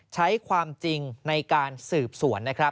ใช้ความจริงในการสืบสวน